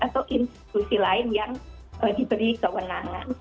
atau institusi lain yang diberi kewenangan